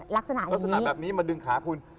ลักษณะลักษณะแบบนี้มาดึงขาคุณ